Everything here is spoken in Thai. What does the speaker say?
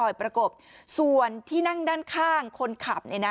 แล้วแฟนหนูมันพิด